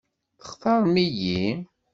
Textaṛem-iyi?